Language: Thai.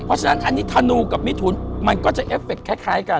เพราะฉะนั้นอันนี้ธนูกับมิถุนมันก็จะเอฟเคคล้ายกัน